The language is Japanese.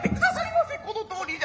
このとおりだ。